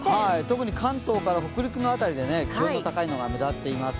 特に関東から北陸の辺り、気温が高いのが目立っています。